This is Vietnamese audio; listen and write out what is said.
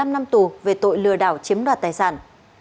một mươi năm năm tù về tội lừa đảo chiếm đoạt tài sản